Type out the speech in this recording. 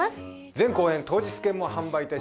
全公演当日券も販売いたします。